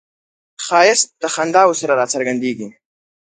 ښایست د خنداوو سره راڅرګندیږي